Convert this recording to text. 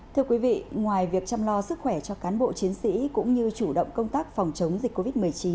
thưa quý vị ngoài việc chăm lo sức khỏe cho cán bộ chiến sĩ cũng như chủ động công tác phòng chống dịch covid một mươi chín